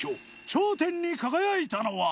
頂点に輝いたのは。